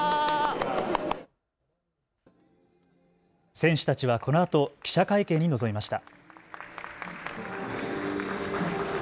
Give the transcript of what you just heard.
選手たちはこのあと記者会見に臨みました。